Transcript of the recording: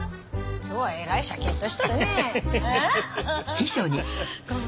今日はえらいシャキッとしとるねん？